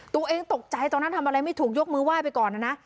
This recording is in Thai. ตัวเองตกใจตอนนั้นทำอะไรไม่ถูกยกมือไห้ไปก่อนนะนะ